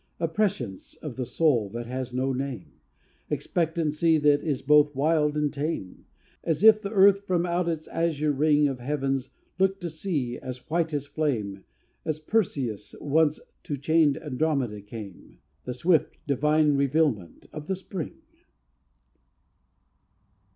A prescience of the soul that has no name, Expectancy that is both wild and tame, As if the Earth, from out its azure ring Of heavens, looked to see, as white as flame, As Perseus once to chained Andromeda came, The swift, divine revealment of the Spring.